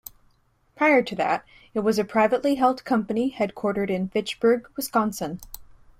Prior to that it was a privately held company headquartered in Fitchburg, Wisconsin.